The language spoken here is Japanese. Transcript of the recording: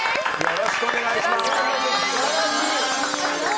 よろしくお願いします。